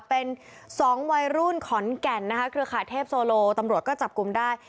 เป็นสองวัยรุ่นขอนแก่นนะคะเครือข่ายเทพโซโลตำรวจก็จับกลุ่มได้